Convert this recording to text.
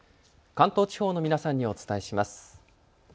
関東地方の皆さんにお伝えします。